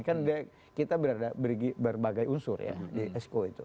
kan kita berbagai unsur ya di exco itu